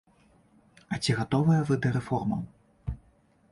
А ці гатовыя вы да рэформаў?